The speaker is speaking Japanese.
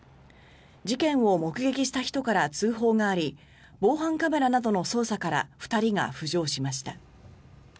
事件を目撃した人から通報があり防犯カメラなどの捜査から２人が浮上しました。